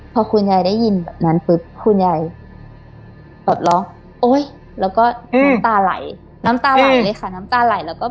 พอคุณยายได้ยินแบบนั้นปุ๊บคุณยายแบบร้องโอ้ยแล้วก็น้ำตาไหล